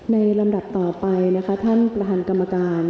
ลำดับต่อไปนะคะท่านประธานกรรมการ